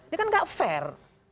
ini kan gak fair